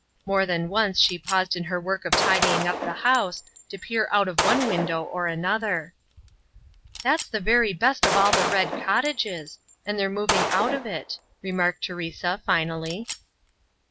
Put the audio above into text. More than once she paused in her work of tidying up the house to peer out of one window or another. "That's the very best of all the 'Red Cottages,' and they're moving out of it" remarked Teresa finally.